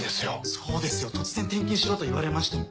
そうですよ突然転勤しろと言われましても。